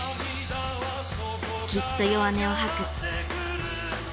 きっと弱音をはく。